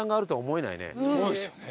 そうですよね。